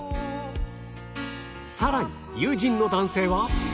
さらに友人の男性は